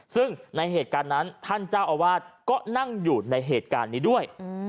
ซึ่งในเหตุการณ์นั้นท่านเจ้าอาวาสก็นั่งอยู่ในเหตุการณ์นี้ด้วย